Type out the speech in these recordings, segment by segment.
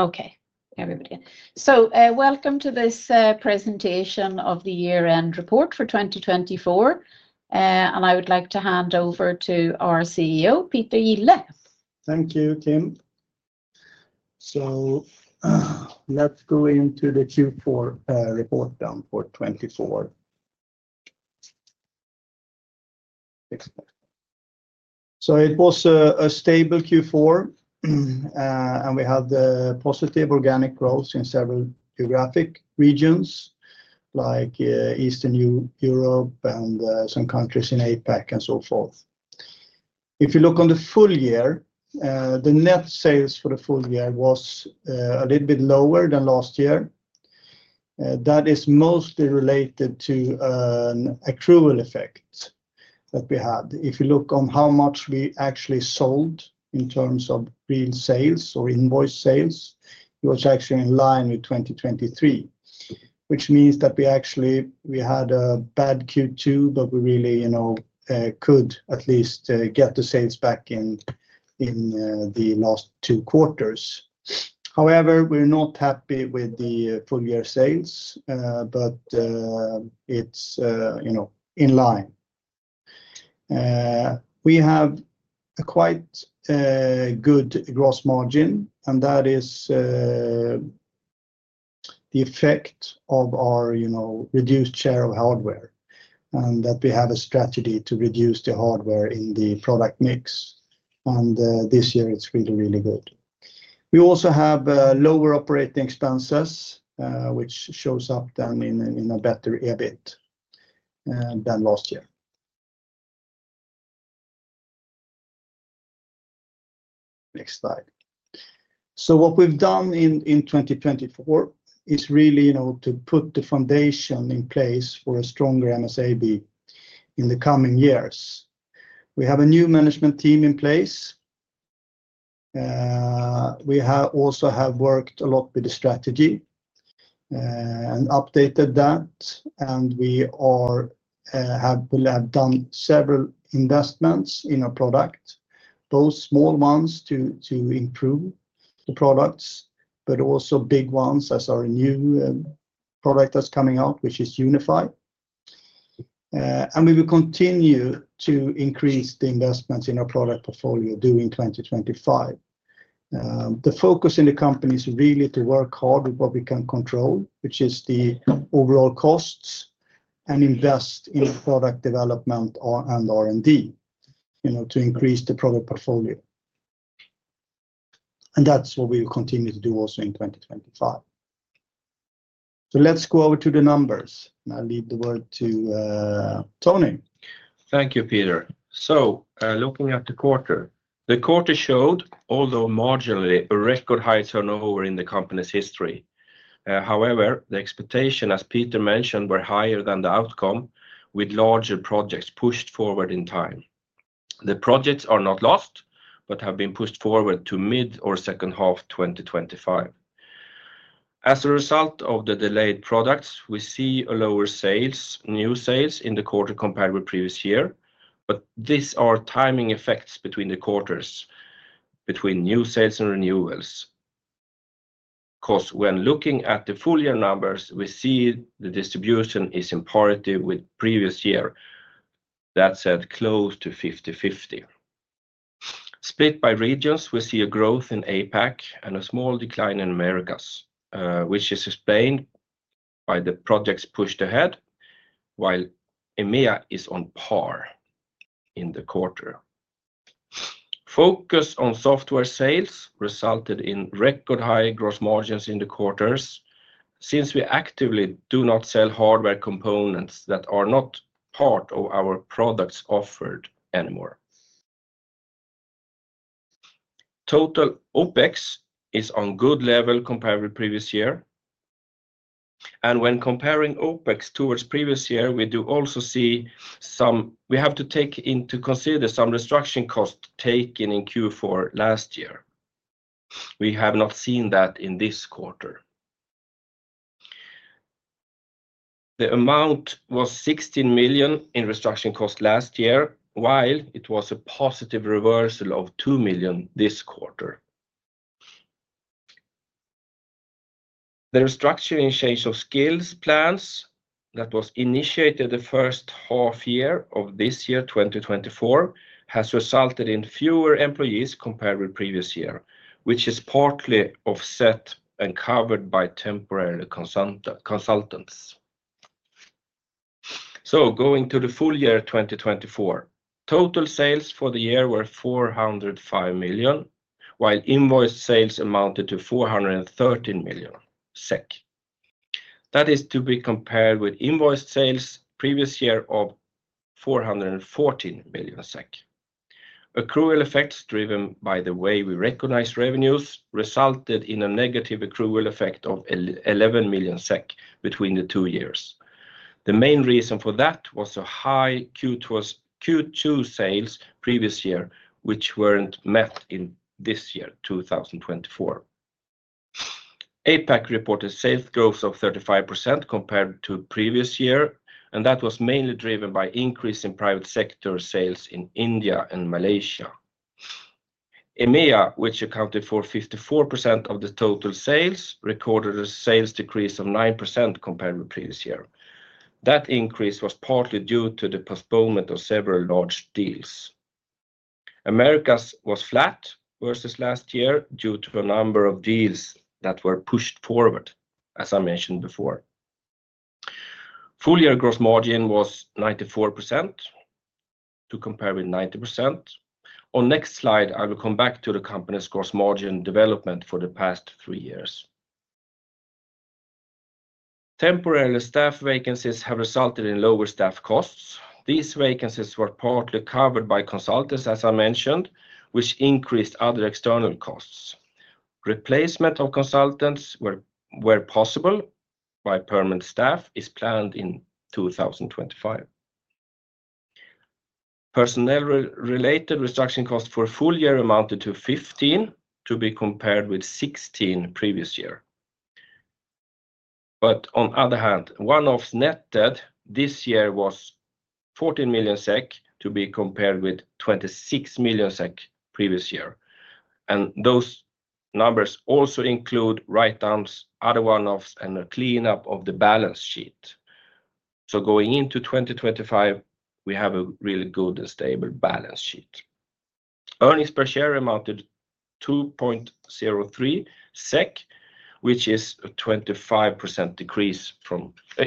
Okay, everybody. So, welcome to this presentation of the year-end report for 2024. And I would like to hand over to our CEO, Peter Gille. Thank you, Kim. So, let's go into the Q4 report then for 2024. So it was a stable Q4, and we had positive organic growth in several geographic regions, like Eastern Europe and some countries in APAC and so forth. If you look on the full year, the net sales for the full year was a little bit lower than last year. That is mostly related to an accrual effect that we had. If you look on how much we actually sold in terms of real sales or invoice sales, it was actually in line with 2023, which means that we actually had a bad Q2, but we really could at least get the sales back in the last two quarters. However, we're not happy with the full year sales, but it's in line. We have a quite good gross margin, and that is the effect of our reduced share of hardware, and that we have a strategy to reduce the hardware in the product mix, and this year it's really, really good. We also have lower operating expenses, which shows up then in a better EBIT than last year. Next slide, so what we've done in 2024 is really to put the foundation in place for a stronger MSAB in the coming years. We have a new management team in place. We also have worked a lot with the strategy and updated that, and we have done several investments in our product, both small ones to improve the products, but also big ones as our new product that's coming out, which is Unify, and we will continue to increase the investments in our product portfolio during 2025. The focus in the company is really to work hard with what we can control, which is the overall costs, and invest in product development and R&D to increase the product portfolio. And that's what we will continue to do also in 2025. So let's go over to the numbers, and I'll leave the word to Tony. Thank you, Peter. So looking at the quarter, the quarter showed, although marginally, record high turnover in the company's history. However, the expectations, as Peter mentioned, were higher than the outcome with larger projects pushed forward in time. The projects are not lost, but have been pushed forward to mid or second half 2025. As a result of the delayed products, we see lower new sales in the quarter compared with previous year, but these are timing effects between the quarters, between new sales and renewals. Because when looking at the full year numbers, we see the distribution is on par with previous year. That said, close to 50/50. Split by regions, we see a growth in APAC and a small decline in Americas, which is explained by the projects pushed ahead, while EMEA is on par in the quarter. Focus on software sales resulted in record high gross margins in the quarters since we actively do not sell hardware components that are not part of our products offered anymore. Total OpEx is on good level compared with previous year. When comparing OpEx towards previous year, we do also see some we have to take into consideration restructuring costs taken in Q4 last year. We have not seen that in this quarter. The amount was 16 million in restructuring costs last year, while it was a positive reversal of 2 million this quarter. The restructuring change of skills plans that was initiated the first half year of this year, 2024, has resulted in fewer employees compared with previous year, which is partly offset and covered by temporary consultants. So going to the full year 2024, total sales for the year were 405 million SEK, while invoice sales amounted to 413 million SEK. That is to be compared with invoice sales previous year of 414 million SEK. Accrual effects driven by the way we recognize revenues resulted in a negative accrual effect of 11 million SEK between the two years. The main reason for that was a high Q2 sales previous year, which weren't met in this year, 2024. APAC reported sales growth of 35% compared to previous year, and that was mainly driven by increase in private sector sales in India and Malaysia. EMEA, which accounted for 54% of the total sales, recorded a sales decrease of 9% compared with previous year. That increase was partly due to the postponement of several large deals. Americas was flat versus last year due to a number of deals that were pushed forward, as I mentioned before. Full year gross margin was 94% to compare with 90%. On next slide, I will come back to the company's gross margin development for the past three years. Temporary staff vacancies have resulted in lower staff costs. These vacancies were partly covered by consultants, as I mentioned, which increased other external costs. Replacement of consultants where possible by permanent staff is planned in 2025. Personnel-related restructuring costs for full year amounted to 15 to be compared with 16 previous year. But on the other hand, one-offs netted this year was 14 million SEK to be compared with 26 million SEK previous year. And those numbers also include write-downs, other one-offs, and a cleanup of the balance sheet. So going into 2025, we have a really good and stable balance sheet. Earnings per share amounted to 2.03 SEK, which is a 25%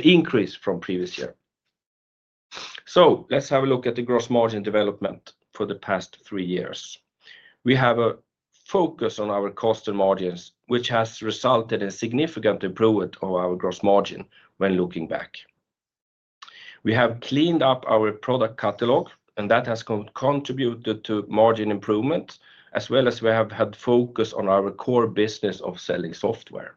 increase from previous year. So let's have a look at the gross margin development for the past three years. We have a focus on our cost and margins, which has resulted in significant improvement of our gross margin when looking back. We have cleaned up our product catalog, and that has contributed to margin improvement, as well as we have had focus on our core business of selling software.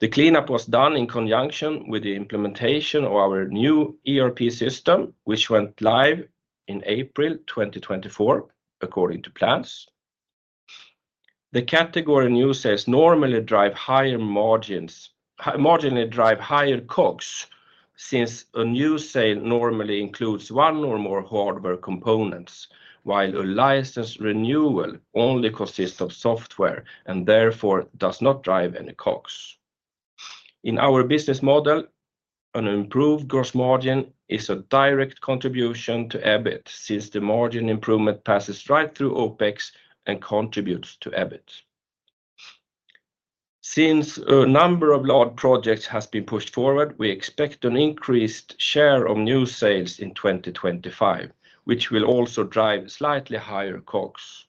The cleanup was done in conjunction with the implementation of our new ERP system, which went live in April 2024, according to plans. The category new sales normally drive higher margins, marginally drive higher COGS, since a new sale normally includes one or more hardware components, while a license renewal only consists of software and therefore does not drive any COGS. In our business model, an improved gross margin is a direct contribution to EBIT since the margin improvement passes right through OpEx and contributes to EBIT. Since a number of large projects have been pushed forward, we expect an increased share of new sales in 2025, which will also drive slightly higher COGS.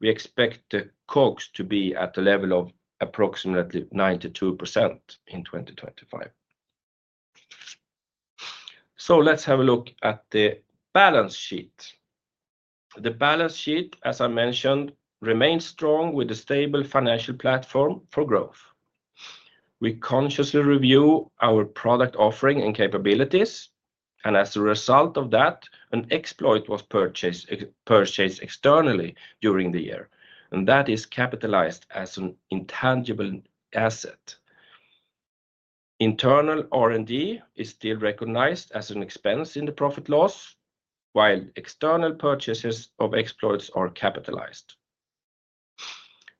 We expect the COGS to be at a level of approximately 92% in 2025. So let's have a look at the balance sheet. The balance sheet, as I mentioned, remains strong with a stable financial platform for growth. We consciously review our product offering and capabilities, and as a result of that, an exploit was purchased externally during the year, and that is capitalized as an intangible asset. Internal R&D is still recognized as an expense in the profit and loss, while external purchases of exploits are capitalized.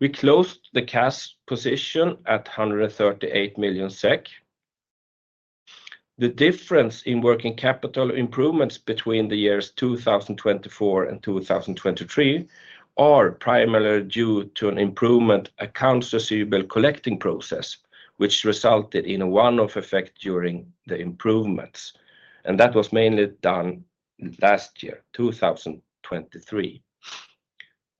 We closed the cash position at 138 million SEK. The difference in working capital improvements between the years 2024 and 2023 are primarily due to an improvement accounts receivable collecting process, which resulted in a one-off effect during the improvements, and that was mainly done last year, 2023.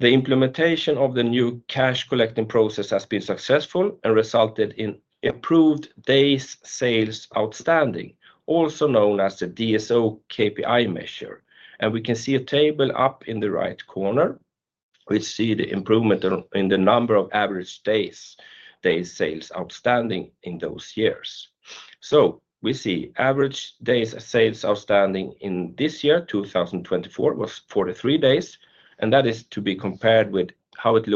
The implementation of the new cash collecting process has been successful and resulted in improved days sales outstanding, also known as the DSO KPI measure, and we can see a table up in the right corner. We see the improvement in the number of average days sales outstanding in those years, so we see average days sales outstanding in this year, 2024, was 43 days, and that is to be compared with how it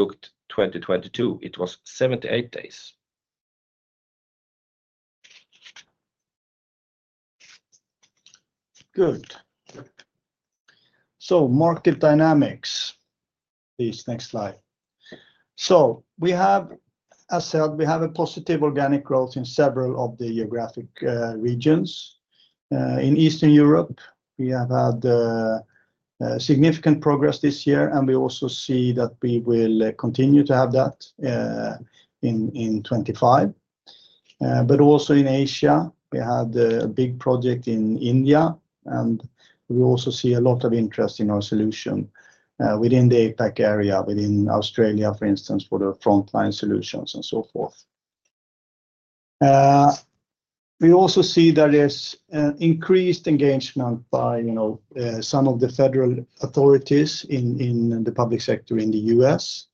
looked 2022. It was 78 days. Good. So market dynamics, please. Next slide. So we have, as said, we have a positive organic growth in several of the geographic regions. In Eastern Europe, we have had significant progress this year, and we also see that we will continue to have that in 2025. But also in Asia, we had a big project in India, and we also see a lot of interest in our solution within the APAC area, within Australia, for instance, for the Frontline solutions and so forth. We also see that there's an increased engagement by some of the federal authorities in the public sector in the U.S.,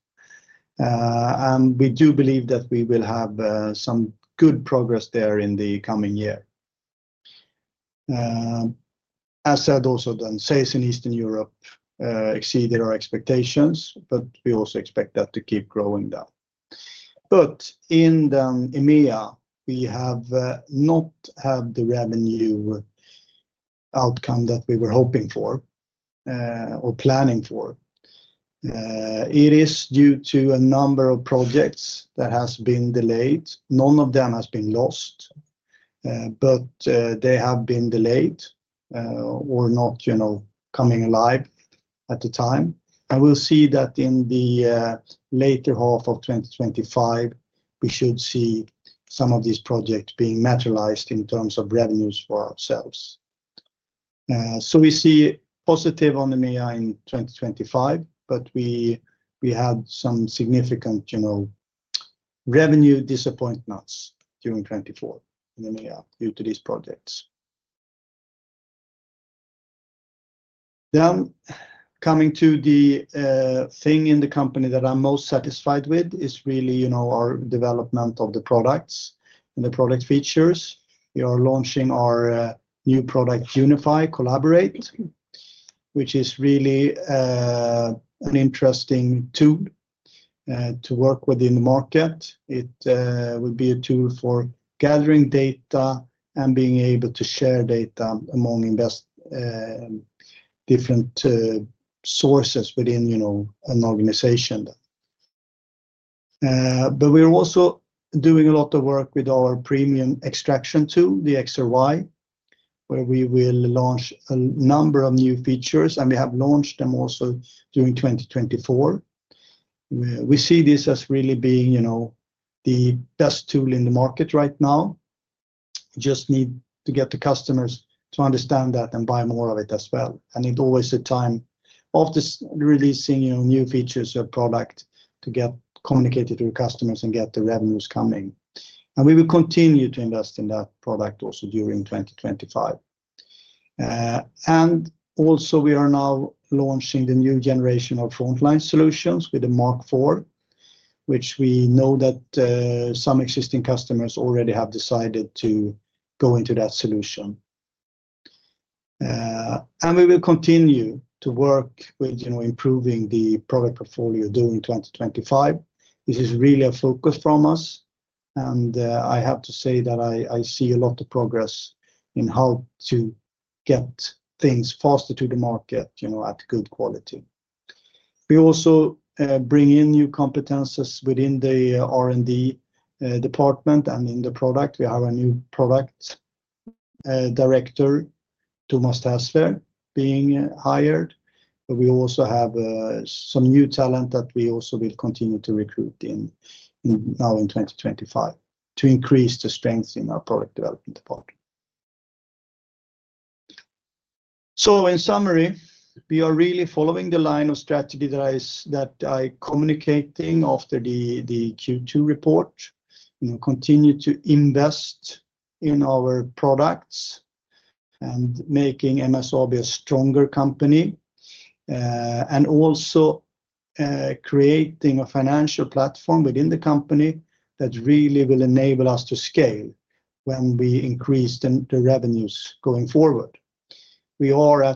and we do believe that we will have some good progress there in the coming year. As said also, the sales in Eastern Europe exceeded our expectations, but we also expect that to keep growing down. But in EMEA, we have not had the revenue outcome that we were hoping for or planning for. It is due to a number of projects that have been delayed. None of them have been lost, but they have been delayed or not coming alive at the time. And we'll see that in the later half of 2025, we should see some of these projects being materialized in terms of revenues for ourselves. So we see positive on EMEA in 2025, but we had some significant revenue disappointments during 2024 in EMEA due to these projects. Then coming to the thing in the company that I'm most satisfied with is really our development of the products and the product features. We are launching our new product, Unify Collaborate, which is really an interesting tool to work with in the market. It would be a tool for gathering data and being able to share data among different sources within an organization. But we're also doing a lot of work with our premium extraction tool, the XRY, where we will launch a number of new features, and we have launched them also during 2024. We see this as really being the best tool in the market right now. We just need to get the customers to understand that and buy more of it as well. And it's always a time of releasing new features or products to get communicated to your customers and get the revenues coming. And we will continue to invest in that product also during 2025. And also, we are now launching the new generation of Frontline solutions with the MK4, which we know that some existing customers already have decided to go into that solution. We will continue to work with improving the product portfolio during 2025. This is really a focus from us, and I have to say that I see a lot of progress in how to get things faster to the market at good quality. We also bring in new competencies within the R&D department and in the product. We have a new Product Director, Thomas Tasler, being hired. But we also have some new talent that we also will continue to recruit now in 2025 to increase the strength in our product development department. So in summary, we are really following the line of strategy that I communicating after the Q2 report, continue to invest in our products and making MSAB a stronger company, and also creating a financial platform within the company that really will enable us to scale when we increase the revenues going forward. We will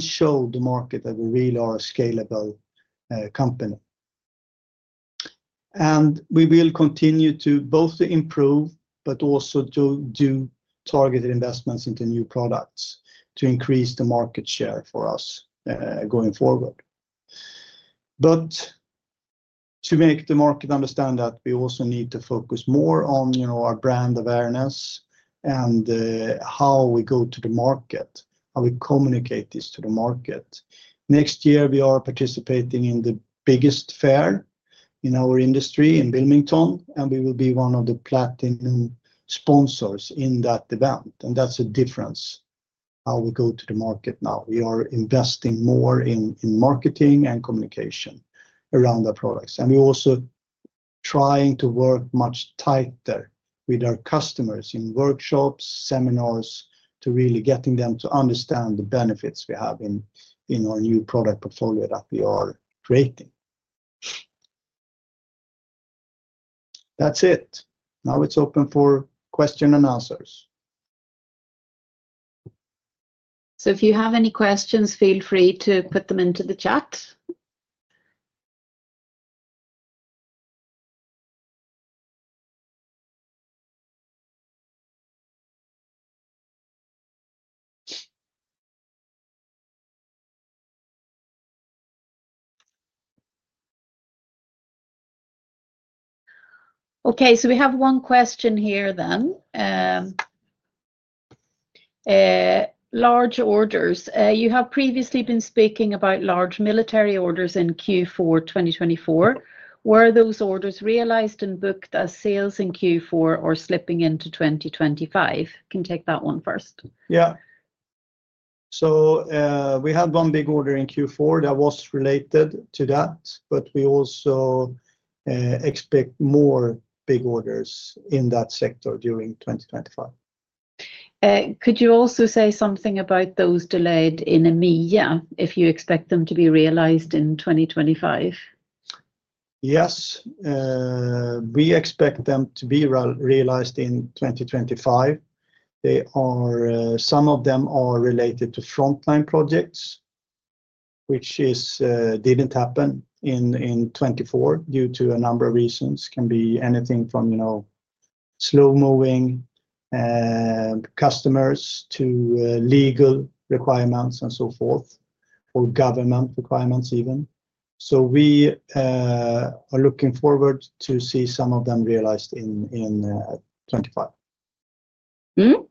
show the market that we really are a scalable company, and we will continue to both improve, but also to do targeted investments into new products to increase the market share for us going forward, but to make the market understand that we also need to focus more on our brand awareness and how we go to the market, how we communicate this to the market. Next year, we are participating in the biggest fair in our industry in Wilmington, and we will be one of the platinum sponsors in that event, and that's a difference how we go to the market now. We are investing more in marketing and communication around our products, and we're also trying to work much tighter with our customers in workshops, seminars, to really get them to understand the benefits we have in our new product portfolio that we are creating. That's it. Now it's open for questions and answers. If you have any questions, feel free to put them into the chat. Okay, so we have one question here then. Large orders. You have previously been speaking about large military orders in Q4 2024. Were those orders realized and booked as sales in Q4 or slipping into 2025? Can you take that one first? Yeah. So we had one big order in Q4 that was related to that, but we also expect more big orders in that sector during 2025. Could you also say something about those delayed in EMEA if you expect them to be realized in 2025? Yes. We expect them to be realized in 2025. Some of them are related to Frontline projects, which didn't happen in 2024 due to a number of reasons. It can be anything from slow-moving customers to legal requirements and so forth, or government requirements even. So we are looking forward to seeing some of them realized in 2025.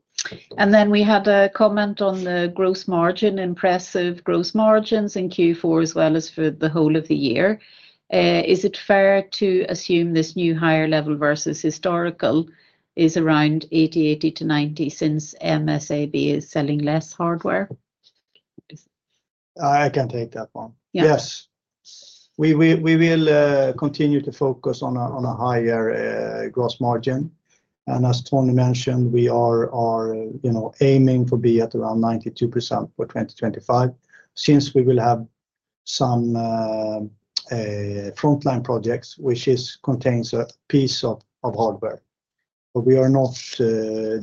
We had a comment on the gross margin, impressive gross margins in Q4 as well as for the whole of the year. Is it fair to assume this new higher level versus historical is around 80-90 since MSAB is selling less hardware? I can take that one. Yes. We will continue to focus on a higher gross margin, and as Tony mentioned, we are aiming to be at around 92% for 2025 since we will have some Frontline projects, which contains a piece of hardware, but we are not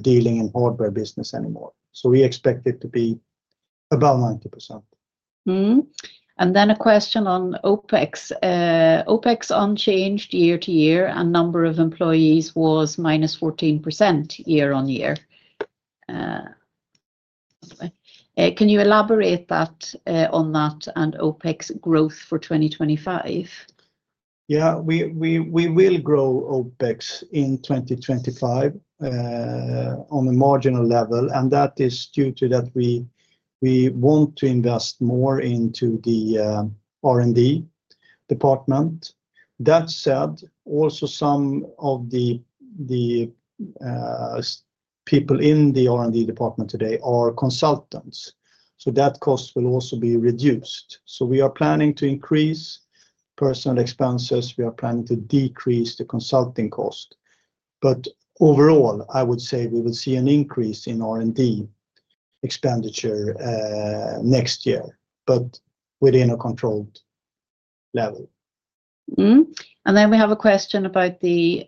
dealing in hardware business anymore, so we expect it to be about 90%. Then a question on OpEx. OpEx unchanged year to year, and number of employees was minus 14% year on year. Can you elaborate on that and OpEx growth for 2025? Yeah, we will grow OpEx in 2025 on a marginal level, and that is due to that we want to invest more into the R&D department. That said, also some of the people in the R&D department today are consultants, so that cost will also be reduced. So we are planning to increase personnel expenses. We are planning to decrease the consulting cost. But overall, I would say we will see an increase in R&D expenditure next year, but within a controlled level. And then we have a question about the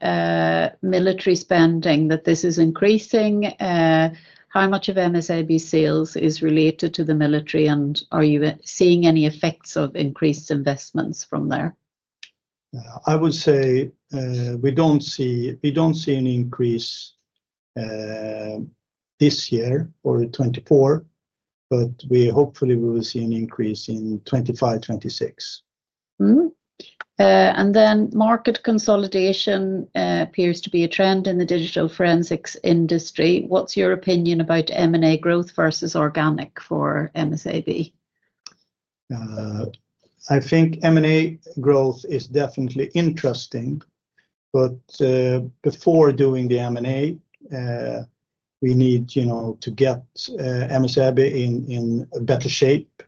military spending, that this is increasing. How much of MSAB sales is related to the military, and are you seeing any effects of increased investments from there? I would say we don't see an increase this year or 2024, but hopefully we will see an increase in 2025, 2026. Market consolidation appears to be a trend in the digital forensics industry. What's your opinion about M&A growth versus organic for MSAB? I think M&A growth is definitely interesting, but before doing the M&A, we need to get MSAB in better shape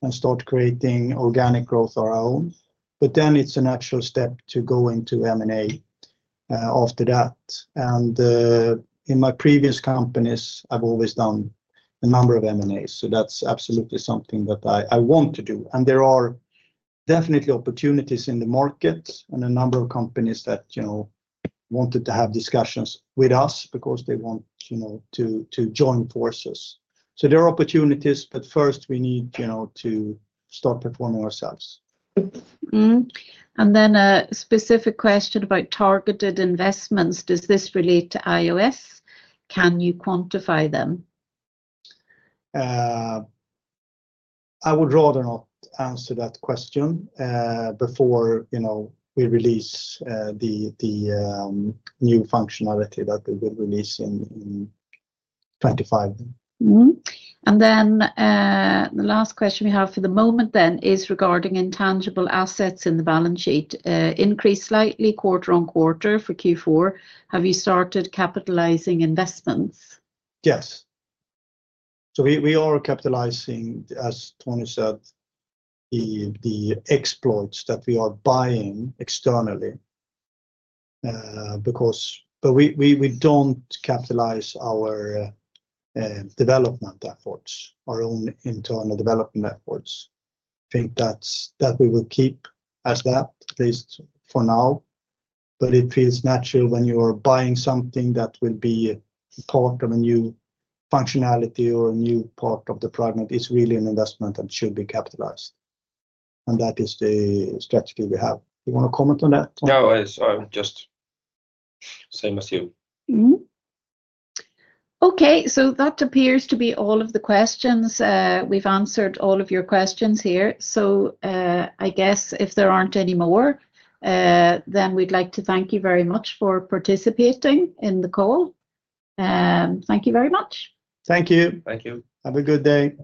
and start creating organic growth our own, but then it's a natural step to go into M&A after that, and in my previous companies, I've always done a number of M&As, so that's absolutely something that I want to do, and there are definitely opportunities in the market and a number of companies that wanted to have discussions with us because they want to join forces, so there are opportunities, but first we need to start performing ourselves. A specific question about targeted investments. Does this relate to iOS? Can you quantify them? I would rather not answer that question before we release the new functionality that we will release in 2025. And then the last question we have for the moment is regarding intangible assets in the balance sheet. Increased slightly quarter on quarter for Q4. Have you started capitalizing investments? Yes. So we are capitalizing, as Tony said, the exploits that we are buying externally, but we don't capitalize our development efforts, our own internal development efforts. I think that we will keep as that, at least for now. But it feels natural when you are buying something that will be part of a new functionality or a new part of the product. It's really an investment that should be capitalized. And that is the strategy we have. Do you want to comment on that? No, I was just same as you. Okay, so that appears to be all of the questions. We've answered all of your questions here. So I guess if there aren't any more, then we'd like to thank you very much for participating in the call. Thank you very much. Thank you. Thank you. Have a good day.